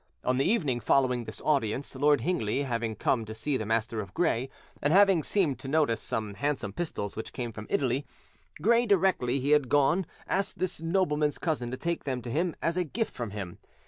On the evening following this audience, Lord Hingley having come to see the Master of Gray, and having seemed to notice some handsome pistols which came from Italy, Gray, directly he had gone, asked this nobleman's cousin to take them to him as a gift from him.